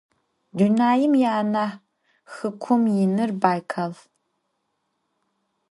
Dunaim yianah xıkhum yinır Baykal.